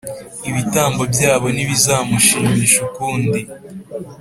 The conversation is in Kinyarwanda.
ibitambo byabo ntibizamushimisha ukundi.